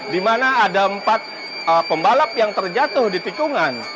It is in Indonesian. di mana ada empat pembalap yang terjatuh di tikungan